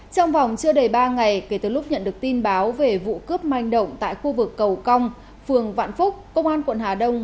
trong vòng chưa đầy ba ngày kể từ lúc nhận được tin báo về vụ cướp manh động tại khu vực cầu cong phường vạn phúc công an quận hà đông